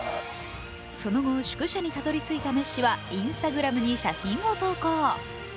その後、宿舎にたどり着いたメッシはＩｎｓｔａｇｒａｍに写真を投稿。